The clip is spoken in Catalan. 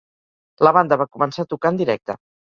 La banda va començar a tocar en directe.